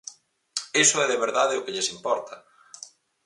Iso é de verdade o que lles importa.